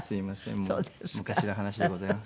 もう昔の話でございます。